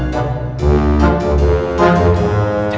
mau kabur lagi kabur ya